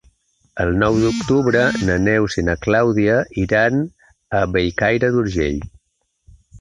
El nou d'octubre na Neus i na Clàudia iran a Bellcaire d'Urgell.